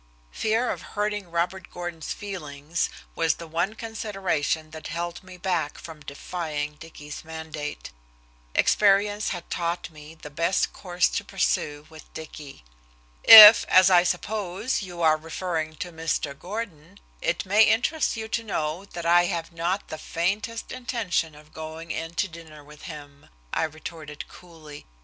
Fear of hurting Robert Gordon's feelings was the one consideration that held me back from defying Dicky's mandate. Experience had taught me the best course to pursue with Dicky. "If, as I suppose, you are referring to Mr. Gordon, it may interest you to know that I have not the faintest intention of going in to dinner with him," I retorted coolly.